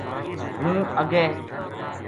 ہوں اگے